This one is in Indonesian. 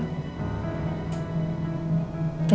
serah hati ya